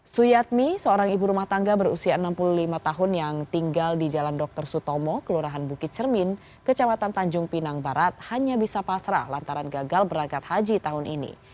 suyadmi seorang ibu rumah tangga berusia enam puluh lima tahun yang tinggal di jalan dr sutomo kelurahan bukit cermin kecamatan tanjung pinang barat hanya bisa pasrah lantaran gagal berangkat haji tahun ini